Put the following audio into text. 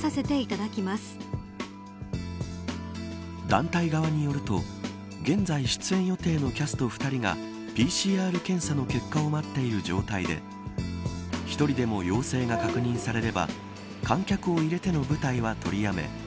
団体側によると現在、出演予定のキャスト２人がＰＣＲ検査の結果を待っている状態で１人でも陽性が確認されれば観客を入れての舞台は取りやめ